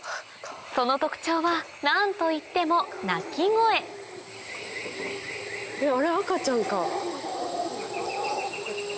その特徴は何といっても鳴き声あれ赤ちゃんか。